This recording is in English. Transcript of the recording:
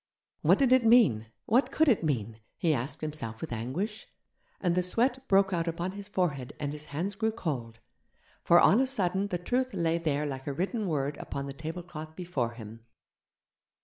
What did it mean? What could it mean? he asked himself with anguish. And the sweat broke out upon his forehead and his hands grew cold, for on a sudden the truth lay there like a written word upon the tablecloth before him.